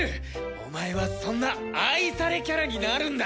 お前はそんな愛されキャラになるんだ！